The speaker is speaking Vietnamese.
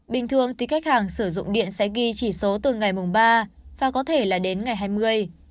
bình thường thì khách hàng sử dụng điện sẽ ghi chỉ số từ ngày mùng ba và có thể là đến ngày hai mươi